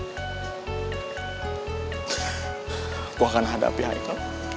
gue akan hadapi haikal